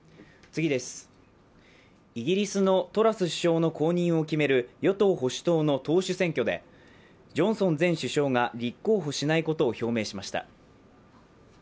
イギリスのトラス首相の後任を決める与党・保守党の党首選挙でジョンソン前首相が立候補しないことを表明しました。